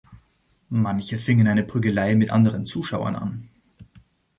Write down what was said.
Manche fingen eine Prügelei mit anderen Zuschauern an.